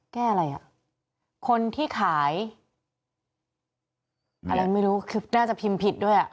แก้อะไรอ่ะคนที่ขายอะไรไม่รู้คือน่าจะพิมพ์ผิดด้วยอ่ะ